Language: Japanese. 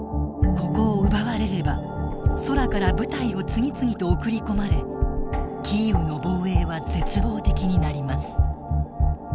ここを奪われれば空から部隊を次々と送り込まれキーウの防衛は絶望的になります。